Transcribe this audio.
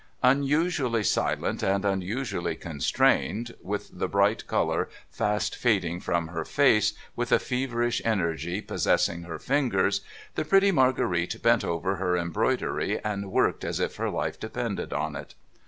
Unusually silent and unusually constrained — with the bright colour fast fading from her face, with a feverish energy possessing her fingers — the pretty Marguerite bent over her embroidery, and worked as if her life depended on it.